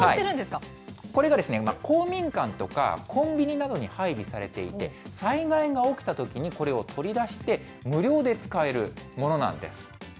これが公民館とか、コンビニなどに配備されていて、災害が起きたときに、これを取り出して、無料で使えるものなんです。